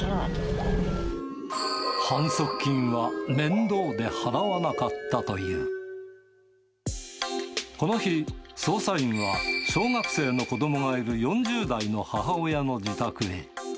反則金は面倒で払わなかったこの日、捜査員は小学生の子どもがいる４０代の母親の自宅へ。